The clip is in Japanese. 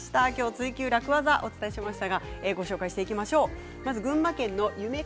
「ツイＱ楽ワザ」をお伝えしました。